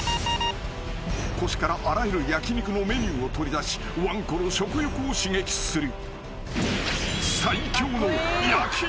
［腰からあらゆる焼き肉のメニューを取り出しわんこの食欲を刺激する］